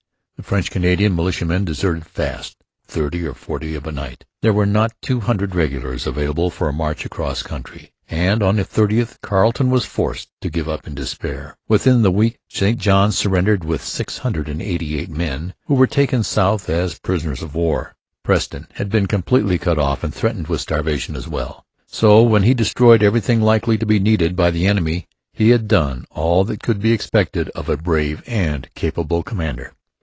The French Canadian militiamen deserted fast 'thirty or forty of a night.' There were not two hundred regulars available for a march across country. And on the 30th Carleton was forced to give up in despair. Within the week St Johns surrendered with 688 men, who were taken south as prisoners of war. Preston had been completely cut off and threatened with starvation as well. So when he destroyed everything likely to be needed by the enemy he had done all that could be expected of a brave and capable commander.